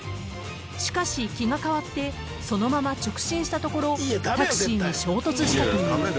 ［しかし気が変わってそのまま直進したところタクシーに衝突したという］